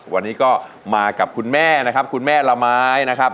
วันนี้ก็มากับคุณแม่นะครับคุณแม่ละไม้นะครับ